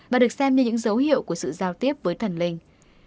và được xem như những dấu hiệu của sự giao tiếp với thần linh